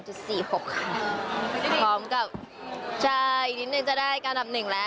พร้อมกับใช่อีกนิดหนึ่งจะได้การดับ๑แล้ว